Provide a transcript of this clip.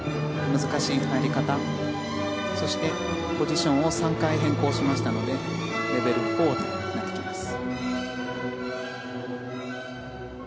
難しい入り方そして、ポジションを３回変更しましたのでレベル４となっています。